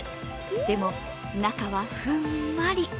でも、中はふんわり。